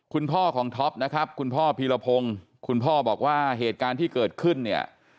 คุณพ่อของท็อปนะครับคุณพ่อพีรพงศ์คุณพ่อบอกว่าเหตุการณ์ที่เกิดขึ้นเนี่ย